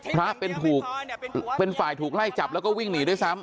พระเป็นฝ่ายถูกไล่จับแล้วก็วิ่งหนีด้วยซ้ำ